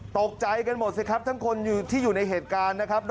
ตกใจกันหมดสิครับทั้งคนที่อยู่ในเหตุการณ์นะครับ